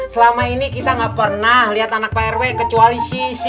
selama ini kita gak pernah lihat anak prw kecuali sisi